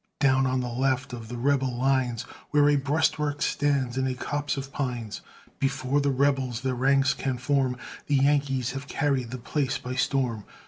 Down on the left of the Rebel lines, Where a breastwork stands in a copse of pines, Before the Rebels their ranks can form, The Yankees have carried the place by storm.